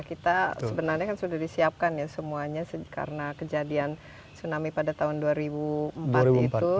kita sebenarnya kan sudah disiapkan ya semuanya karena kejadian tsunami pada tahun dua ribu empat itu